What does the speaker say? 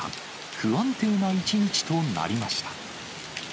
不安定な一日となりました。